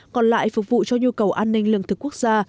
còn lại phục vụ cho nhu cầu an ninh lương thực quốc gia